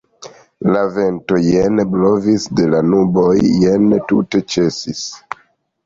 La vento jen blovis de la nuboj, jen tute ĉesis.